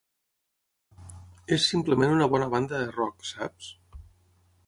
És simplement una bona banda de rock, saps?